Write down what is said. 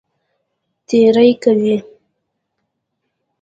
تېری کوي.